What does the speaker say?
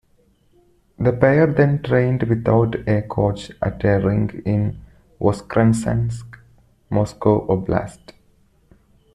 The pair then trained without a coach at a rink in Voskresensk, Moscow Oblast.